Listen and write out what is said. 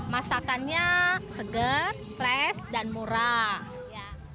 masakannya seger fresh dan murah